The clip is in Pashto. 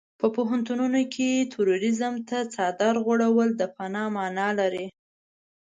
په پوهنتونونو کې تروريزم ته څادر غوړول د فناه مانا لري.